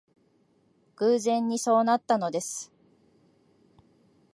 偶然にそうなったのです